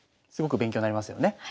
すごく勉強になりますよね。